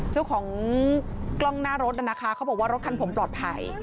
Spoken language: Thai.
เจ้าของกล้องหน้ารถน่ะนะคะเขาบอกว่ารถคันผมปลอดภัย